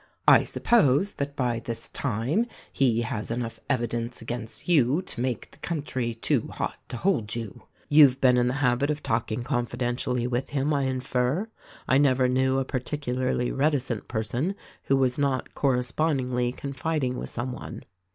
I suppose that by this time he has enough evidence against you to make the coun try too hot to hold you. You've been in the habit of talk ing confidentially with him, I infer. I never knew a par ticularly reticent person who was not correspondingly con fiding with some one."